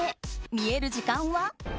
見える時間は？